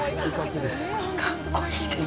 かっこいいです。